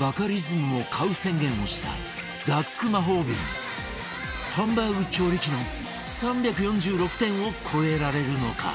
バカリズムも買う宣言をしたハンバーグ調理器の３４６点を超えられるのか？